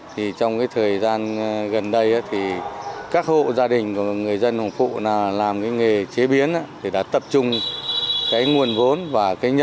thì trong cái thời gian gần đây thì các hộ gia đình của người dân hồng phụ làm cái nghề chế biến